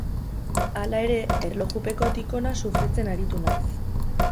Hala ere, erlojupekotik ona sufritzen aritu naiz.